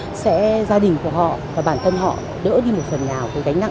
với sự giúp đỡ của hội bảo trợ người khuyết tật và trẻ mẫu khôi việt nam